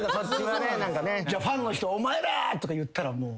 じゃあファンの人「お前ら！」とか言ったらもう。